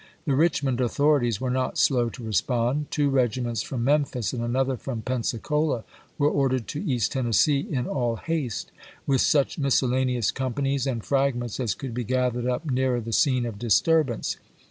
The Richmond authorities were not slow to respond. Two regiments from Memphis and another from Pensacola were ordered to East Tennessee in all haste, with such miscellaneous companies and fragments as could be gathered up nearer the scene of disturbance.